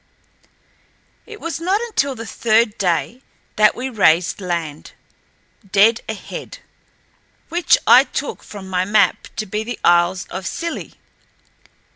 It was not until the third day that we raised land, dead ahead, which I took, from my map, to be the isles of Scilly.